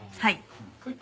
はい。